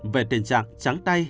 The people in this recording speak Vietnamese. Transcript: về tình trạng trắng tay